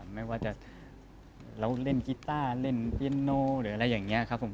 ไม่ว่าจะเราเล่นกีต้าเล่นเปียโนหรืออะไรอย่างนี้ครับผม